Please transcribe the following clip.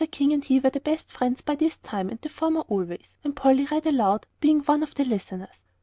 King and he were the best of friends by this time, the former always, when Polly read aloud, being one of the listeners.